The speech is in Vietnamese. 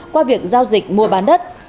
qua việc giao dịch mua bán đất